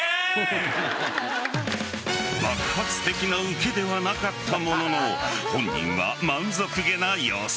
爆発的なウケではなかったものの本人は満足げな様子。